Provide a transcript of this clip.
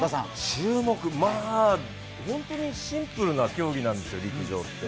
注目、まあホントにシンプルな競技なんですよ、陸上って。